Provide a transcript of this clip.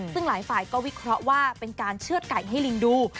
ซึ่งหลายฝ่ายก็วิเคราะห์ว่าเป็นการเชื่อดไก่ให้ลิงดู